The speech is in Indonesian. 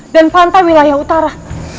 dan pantai wilayah utara